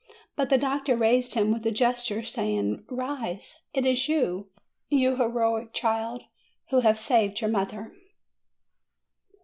But the doctor raised him with a gesture, saying: "Rise! It is you, you heroic child, who have saved your mother!"